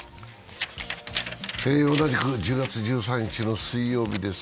同じく１０月１３日の水曜日です。